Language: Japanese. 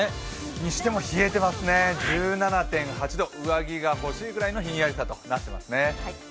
西でも冷えていますね、１７．８度、上着が欲しいくらいのひんやりさとなっていますね。